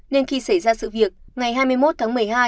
nên khi xảy ra sự việc ngày hai mươi một tháng một mươi hai